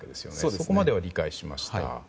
そこまでは理解しました。